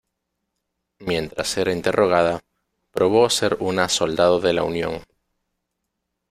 Mientras era interrogada, probó ser una soldado de la Unión.